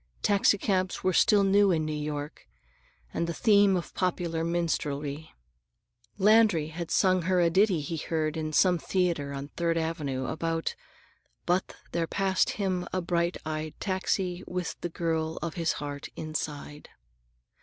Taxicabs were still new in New York, and the theme of popular minstrelsy. Landry had sung her a ditty he heard in some theater on Third Avenue, about: "But there passed him a bright eyed taxi With the girl of his heart inside."